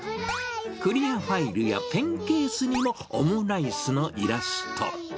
クリアファイルやペンケースにもオムライスのイラスト。